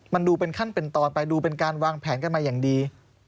มันดูเป็นขั้นเป็นตอนไปดูเป็นการวางแผนกันมาอย่างดี